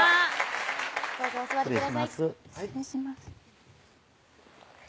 どうぞお座りください